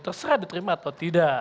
terserah diterima atau tidak